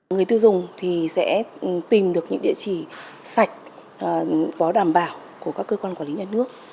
người tiêu dùng sẽ tìm được những địa chỉ sạch có đảm bảo của các cơ quan quản lý nhà nước